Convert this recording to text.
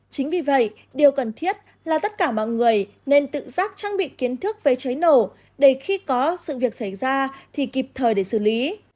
chính vì vậy điều cần thiết là tất cả mọi người nên tự giác trang bị kiến thức về cháy nổ để khi có sự việc xảy ra thì kịp thời để xử lý